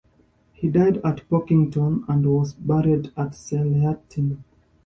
He died at Porkington and was buried at Selattyn.